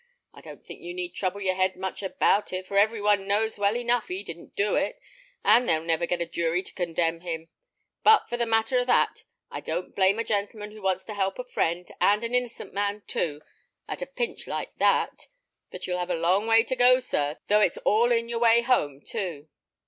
I don't think you need trouble your head much about it, for every one knows well enough he didn't do it, and they'll never get a jury to condemn him; but for the matter of that, I don't blame a gentleman who wants to help a friend, and an innocent man too, at a pinch like that. But you'll have a long way to go, sir, though it's all in your way home too."